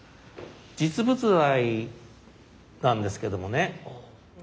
実物大なんですけどもね。